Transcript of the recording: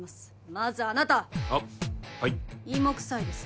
まずあなたあっはい芋臭いです